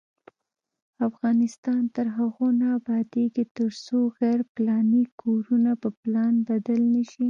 افغانستان تر هغو نه ابادیږي، ترڅو غیر پلاني کورونه په پلان بدل نشي.